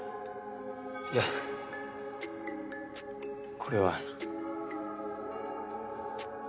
いやこれは。